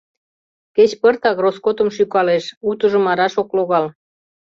Кеч пыртак роскотым шӱкалеш, утыжым араш ок логал.